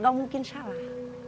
gak mungkin salah